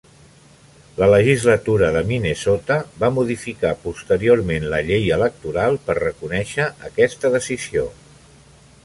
La Legislatura de Minnesota va modificar posteriorment la llei electoral per a reconèixer aquesta decisió.